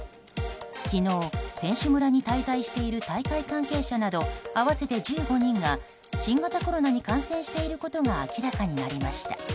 昨日、選手村に滞在している大会関係者など合わせて１５人が新型コロナに感染していることが明らかになりました。